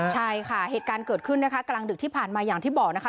ใช่ค่ะเหตุการณ์เกิดขึ้นนะคะกลางดึกที่ผ่านมาอย่างที่บอกนะคะ